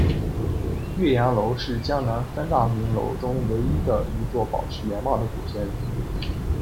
岳阳楼是江南三大名楼中唯一的一座保持原貌的古建筑。